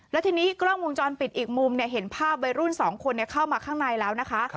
แล้วทีนี้กล้องวงจรปิดอีกมุมเห็นภาพวัยรุ่น๒คนเข้ามาข้างในแล้วนะคะ